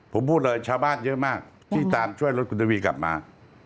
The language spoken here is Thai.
ผมพูดเลยชาวบ้านเยอะมากที่ตามช่วยรถคุณทวีกลับมา